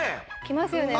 きますよね。